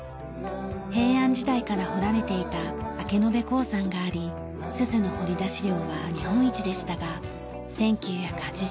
平安時代から掘られていた明延鉱山があり錫の掘り出し量は日本一でしたが１９８７年に閉山しました。